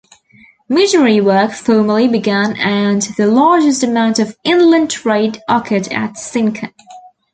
Missionary work formally began and the largest amount of inland trade occurred at Sinkan.